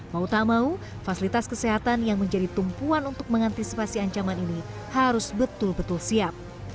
mau tak mau fasilitas kesehatan yang menjadi tumpuan untuk mengantisipasi ancaman ini harus betul betul siap